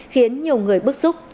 khiến nhiều người bức xúc